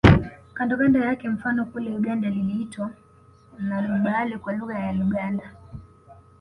Kando kando yake mfano kule Uganda liliitwa Nnalubaale kwa lugha ya Luganda